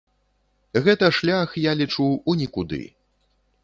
Гэта шлях, я лічу, у нікуды.